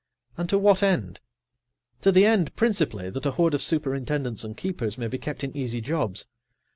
And to what end? To the end, principally, that a horde of superintendents and keepers may be kept in easy jobs.